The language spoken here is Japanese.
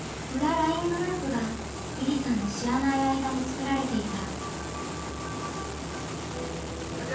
ＬＩＮＥグループがりりさんの知らない間に作られていた。